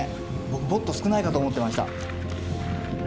僕もっと少ないかと思ってました。